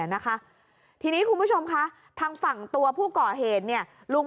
นะคะทีนี้คุณผู้ชมคะทางฝั่งตัวผู้ก่อเหตุเนี่ยลุง